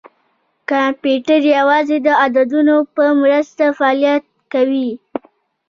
کمپیوټر یوازې د عددونو په مرسته فعالیت کوي.